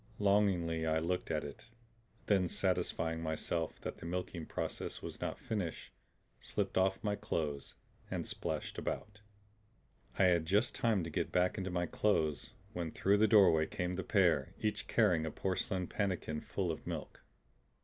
Longingly I looked at it; then satisfying myself that the milking process was not finished, slipped off my clothes and splashed about. I had just time to get back in my clothes when through the doorway came the pair, each carrying a porcelain pannikin full of milk.